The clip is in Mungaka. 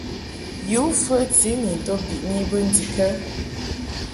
Yǔ fəti ni nto biʼni bə ndikə ɛ ?